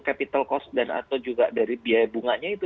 capital cost dan atau juga dari biaya bunganya itu